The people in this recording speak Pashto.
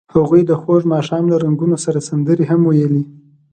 هغوی د خوږ ماښام له رنګونو سره سندرې هم ویلې.